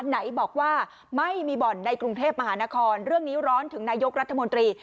ไหนบอกว่าไม่มีบ่อนในกรุงเทพมหานครเรื่องนี้ร้อนถึงนายกรัฐมนตรี